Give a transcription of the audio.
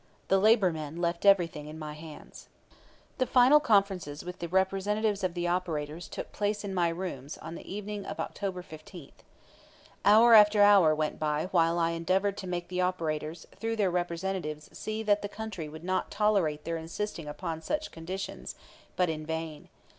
The labor men left everything in my hands. The final conferences with the representatives of the operators took place in my rooms on the evening of October 15. Hour after hour went by while I endeavored to make the operators through their representatives see that the country would not tolerate their insisting upon such conditions; but in vain.